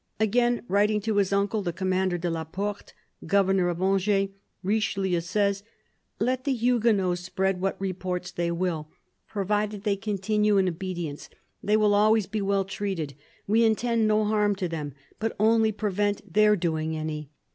Again, writing to his uncle the Commander de la Porte, governor of Angers, Richelieu says: "Let the Huguenots spread what reports they will : provided they continue in obedience, they will always be well treated. We intend no harm to them, but only to prevent their doing any."